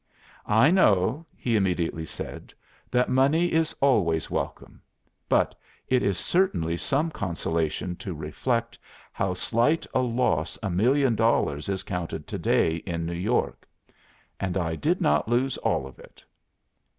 "I know," he immediately said, "that money is always welcome. But it is certainly some consolation to reflect how slight a loss a million dollars is counted to day in New York. And I did not lose all of it."